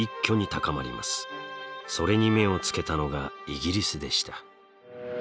それに目をつけたのがイギリスでした。